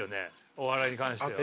お笑いに関しては。